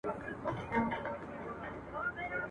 چی له ظلمه تښتېدلی د انسان وم ..